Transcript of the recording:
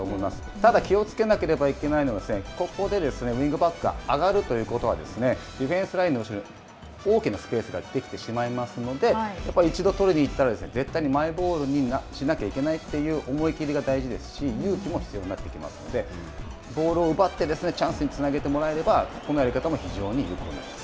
ただ、気をつけなければいけないのは、ここでですね、ウイングバックが上がるということは、ディフェンスラインの後ろに、大きなスペースができてしまいますので、やっぱり一度取りに行ったら、絶対にマイボールにしなきゃいけないという思いきりが大事ですし、勇気も必要になってきますので、ボールを奪って、チャンスにつなげてもらえれば、このやり方も非常に有効になります。